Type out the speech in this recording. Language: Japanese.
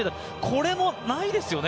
これもないですよね。